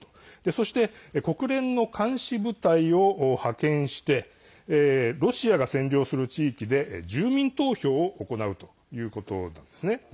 そして国連の監視部隊を派遣してロシアが占領する地域で住民投票を行うということなんですね。